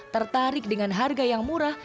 tertarik dengan harga yang murah